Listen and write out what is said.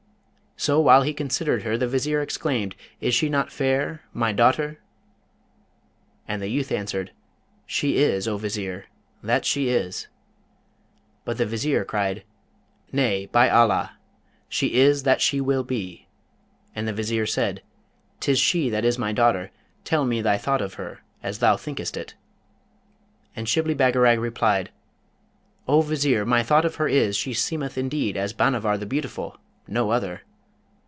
So, while he considered her, the Vizier exclaimed, 'Is she not fair my daughter?' And the youth answered, 'She is, O Vizier, that she is!' But the Vizier cried, 'Nay, by Allah! she is that she will be.' And the Vizier said, ''Tis she that is my daughter; tell me thy thought of her, as thou thinkest it.' And Shibli Bagarag replied, 'O Vizier, my thought of her is, she seemeth indeed as Bhanavar the Beautiful no other.'